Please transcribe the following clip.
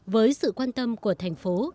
với sự quan tâm của thành phố